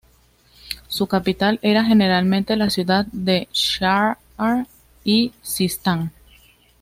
Su capital era generalmente la ciudad de Shahr-i Sistán.